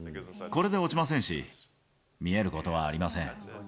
これで落ちませんし、見えることはありません。